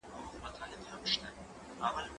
که وخت وي، چپنه پاکوم،